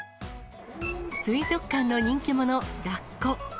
水族館の人気者、ラッコ。